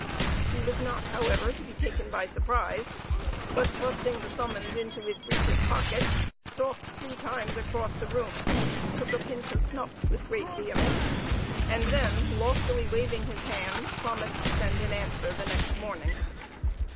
He was not, however, to be taken by surprise; but, thrusting the summons into his breeches pocket, stalked three times across the room, took a pinch of snuff with great vehemence, and then, loftily waving his hand, promised to send an answer the next morning.